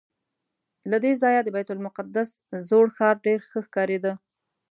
له دې ځایه د بیت المقدس زوړ ښار ډېر ښه ښکارېده.